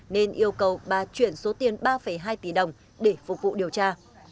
nên yêu cầu bà chuyển số tiền ba hai tỷ đồng để phục vụ điều tra